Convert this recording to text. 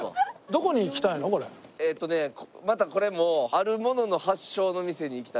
えっとねまたこれもあるものの発祥の店に行きたいと思います。